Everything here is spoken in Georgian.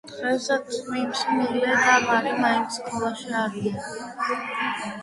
დღეს წვიმს მილე და მარი მაინც სკოლაში არიან